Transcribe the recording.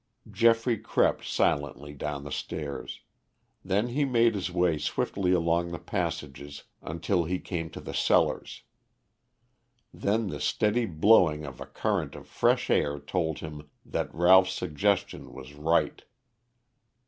Geoffrey crept silently down the stairs. Then he made his way swiftly along the passages until he came to the cellars. Then the steady blowing of a current of fresh air told him that Ralph's suggestion was right.